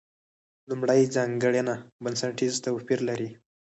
لومړۍ ځانګړنه بنسټیز توپیر لري.